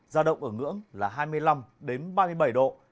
giao động ở ngưỡng là hai mươi năm đến ba mươi bảy độ